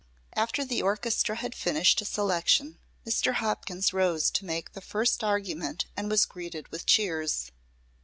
After the orchestra had finished a selection, Mr. Hopkins rose to make the first argument and was greeted with cheers.